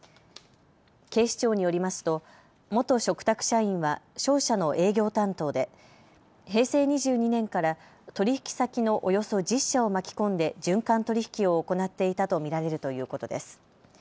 警視庁によりますと元嘱託社員は商社の営業担当で平成２２年から取引先のおよそ１０社を巻き込んで循環取引を行っていたと見られるということです。